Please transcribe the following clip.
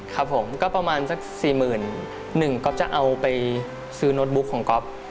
ครับผมก็ประมาณสัก๔๑๐๐ก๊อฟจะเอาไปซื้อโน้ตบุ๊กของก๊อฟ